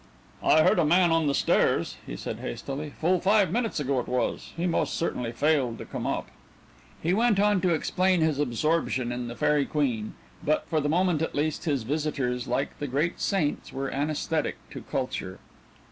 "I heard a man on the stairs," he said hastily, "full five minutes ago, it was. He most certainly failed to come up." He went on to explain his absorption in "The Faerie Queene" but, for the moment at least, his visitors, like the great saints, were anaesthetic to culture.